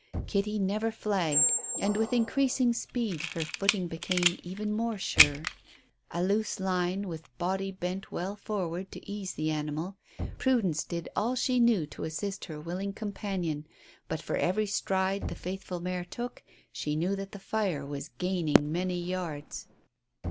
Kitty never flagged, and with increasing speed her footing became even more sure. A loose line, with body bent well forward to ease the animal, Prudence did all she knew to assist her willing companion; but for every stride the faithful mare took, she knew that the fire was gaining many yards.